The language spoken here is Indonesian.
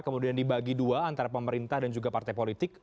kemudian dibagi dua antara pemerintah dan juga partai politik